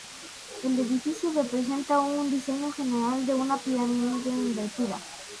El edificio representa un diseño general de una pirámide invertida.